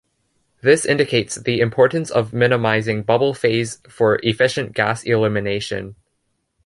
This indicates the importance of minimizing bubble phase for efficient gas elimination.